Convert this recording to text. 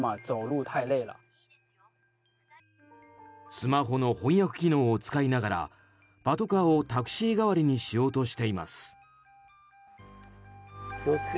スマホの翻訳機能を使いながらパトカーをタクシー代わりにしようとしています。